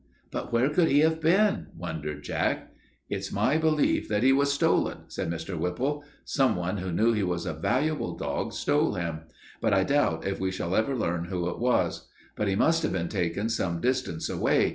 "But where could he have been?" wondered Jack. "It's my belief that he was stolen," said Mr. Whipple. "Someone who knew he was a valuable dog stole him, but I doubt if we shall ever learn who it was. But he must have been taken some distance away.